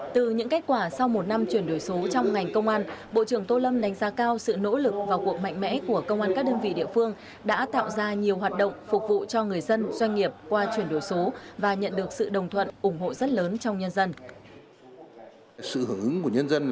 từ những kết quả sau một năm chuyển đổi số trong ngành công an bộ trưởng tô lâm đánh giá cao sự nỗ lực và cuộc mạnh mẽ của công an các đơn vị địa phương đã tạo ra nhiều hoạt động phục vụ cho người dân doanh nghiệp qua chuyển đổi số và nhận được sự đồng thuận ủng hộ rất lớn trong nhân dân